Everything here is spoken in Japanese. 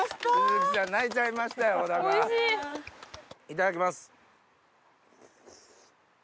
いただきます。